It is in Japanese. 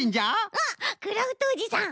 あっクラフトおじさん！